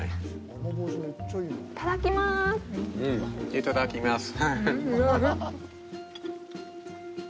いただきます。